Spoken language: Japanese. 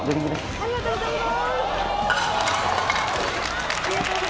ありがとうございます！